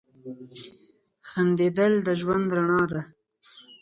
• خندېدل د ژوند رڼا ده.